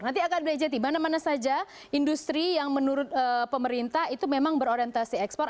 nanti akan diejeti mana mana saja industri yang menurut pemerintah itu memang berorientasi ekspor